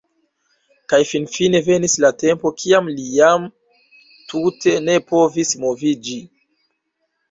Kaj finfine venis la tempo, kiam li jam tute ne povis moviĝi.